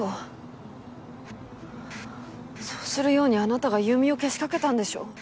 そうするようにあなたが優美をけしかけたんでしょ？